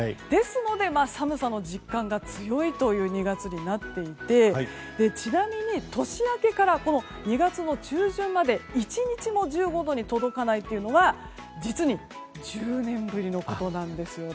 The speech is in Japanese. ですので、寒さの実感が強いという２月になっていてちなみに、年明けから２月の中旬まで１日も１５度に届かないというのは実に１０年ぶりのことなんです。